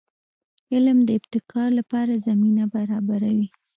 علم د ابتکار لپاره زمینه برابروي.